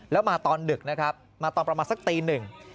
แล้วมาตอนดึกนะครับมาตอนประมาณสักตีหนึ่ง